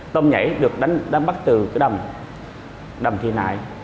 tôm nhảy được đánh bắt từ cái đầm đầm thị nại